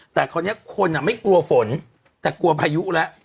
แต่ตอนนี้คนอ่ะไม่กลัวฝนแต่กลัวพายุละ